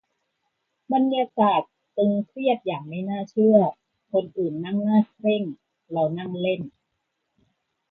บรรยากาศตึงเครียดอย่างไม่น่าเชื่อ คนอื่นนั่งหน้าเคร่ง เรานั่งเล่น